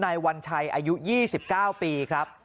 วัญชัยอายุ๒๙ปีครับ